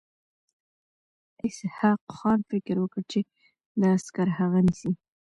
اسحق خان فکر وکړ چې دا عسکر هغه نیسي.